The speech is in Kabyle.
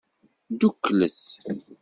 Dduklet.